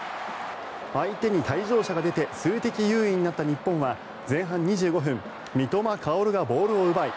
相手に退場者が出て数的優位になった日本は前半２５分三笘薫がボールを奪い